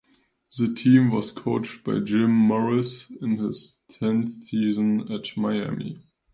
The team was coached by Jim Morris in his tenth season at Miami.